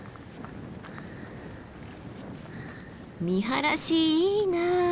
見晴らしいいな。